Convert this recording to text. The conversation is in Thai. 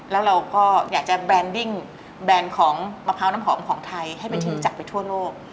แล้วเราก็อยากจะแบรนดิ้งแบรนด์ของมะพร้าวน้ำหอมของไทยให้เป็นที่รู้จักไปทั่วโลก